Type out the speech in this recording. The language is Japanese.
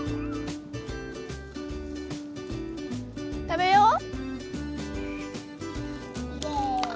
食べよう。